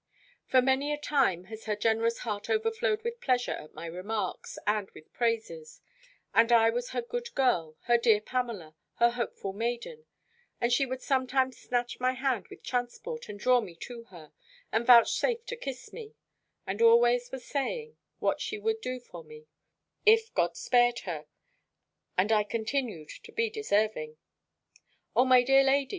For many a time has her generous heart overflowed with pleasure at my remarks, and with praises; and I was her good girl, her dear Pamela, her hopeful maiden; and she would sometimes snatch my hand with transport, and draw me to her, and vouchsafe to kiss me; and always was saying, what she would do for me, if God spared her, and I continued to be deserving. O my dear lady!